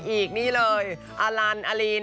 อีกนี่เลยอลันอลิน